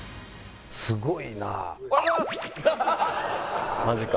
すごいなぁ。